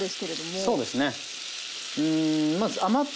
そうですね。